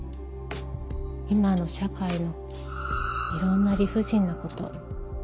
今の社会のいろんな理不尽なこと。